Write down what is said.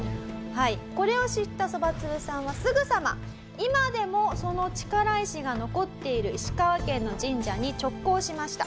これを知ったそばつぶさんはすぐさま今でもその力石が残っている石川県の神社に直行しました。